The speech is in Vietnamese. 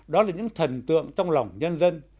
đó là những thần tượng trong lòng nhân dân